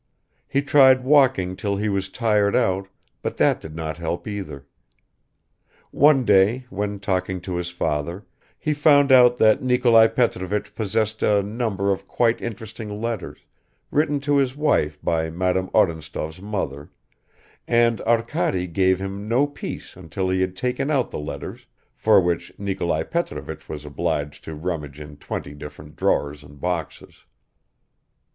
He tried walking till he was tired out, but that did not help either. One day when talking to his father, he found out that Nikolai Petrovich possessed a number of quite interesting letters, written to his wife by Madame Odintsov's mother, and Arkady gave him no peace until he had taken out the letters, for which Nikolai Petrovich was obliged to rummage in twenty different drawers and boxes.